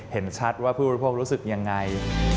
เห็นชัดว่าผู้ประโยชน์รู้สึกอย่างไร